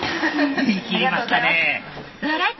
言いきりましたね